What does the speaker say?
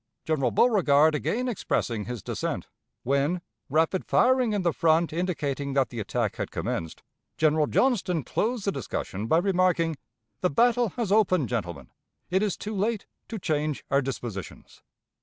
General Beauregard again expressing his dissent; when, rapid firing in the front indicating that the attack had commenced, General Johnston closed the discussion by remarking: 'The battle has opened, gentlemen; it is too late to change our dispositions.'